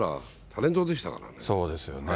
そうですよね。